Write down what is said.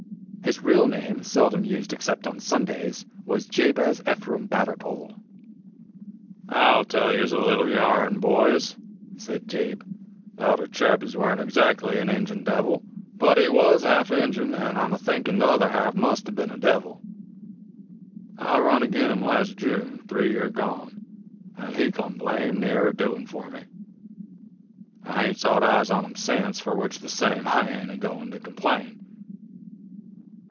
His real name, seldom used except on Sundays, was Jabez Ephraim Batterpole. "I'll tell yez a leetle yarn, boys," said Jabe, "about a chap ez warn't _eg_zackly an Injun Devil, but he was half Injun, an' I'm a thinkin t' other half must 'a' been a devil. I run agin him las' June, three year gone, an' he come blame near a doin' fur me. I haint sot eyes on him sence, fur which the same I ain't a goin' to complain.